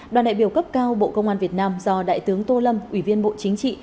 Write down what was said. đoàn đại biểu cấp cao bộ công an việt nam do đại tướng tô lâm ủy viên bộ chính trị